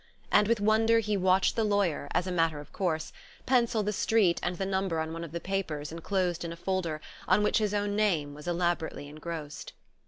And with wonder he watched the lawyer, as a matter of course, pencil the street and the number on one of the papers enclosed in a folder on which his own name was elaborately engrossed.